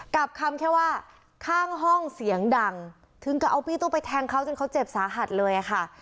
กับคำแค่ว่าข้างห้องเสียงดังถึงกับเอาพี่ตู้ไปแทงเขาจนเขาเจ็บสาหัสเลยค่ะ